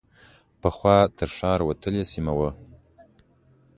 پخوا تر ښار وتلې سیمه وه.